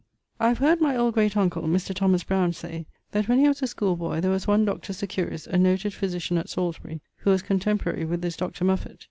= I have heard my old great uncle, Mr. Thomas Browne, say that when he was a school boy there was one Dr. Securis a noted physitian at Salisbury (who was contemporary with this Dr. Mouffett).